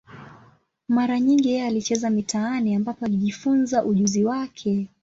Mara nyingi yeye alicheza mitaani, ambapo alijifunza ujuzi wake.